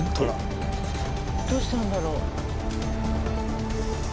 どうしたんだろう？